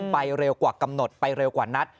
เร็วกว่ากำหนดไปเร็วกว่านัด